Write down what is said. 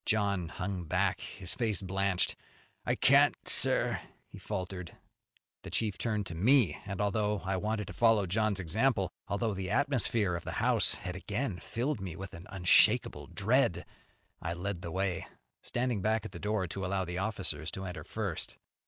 John hung back, his face blanched. "I can't, sir," he faltered. The chief turned to me, and, although I wanted to follow John's example, although the atmosphere of the house had again filled me with an unshakable dread, I led the way, standing back at the door to allow the officers to enter first.